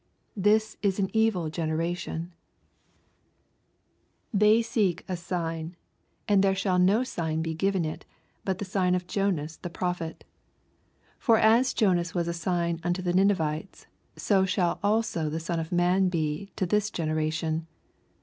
This is an evil generation : they seek LUKE, CHAP. XI. 81 iBigiij and there Bhall no sign be given it, but tbe sign of Jonas the prophet. 30 For as Jonas was a sign unto the Ninevites, so shall also the Son of man be to this generation.